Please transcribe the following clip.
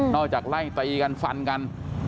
นอกจากไล่ตายกันฟันกัน